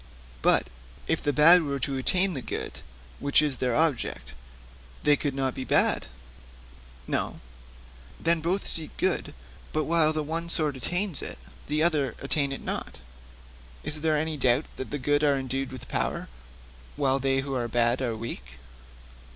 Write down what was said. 'But if the bad were to attain the good which is their object, they could not be bad?' 'No.' 'Then, since both seek good, but while the one sort attain it, the other attain it not, is there any doubt that the good are endued with power, while they who are bad are weak?'